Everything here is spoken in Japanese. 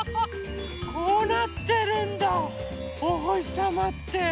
こうなってるんだおほしさまって。